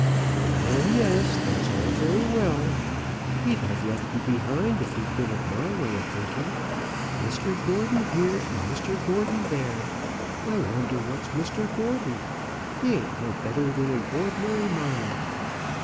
"Oh yes; that's all very well. He'd have left you behind if he'd been of my way of thinking. Mr Gordon here, and Mr Gordon there! I wonder what's Mr Gordon! He ain't no better than an ordinary miner.